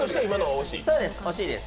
惜しいです。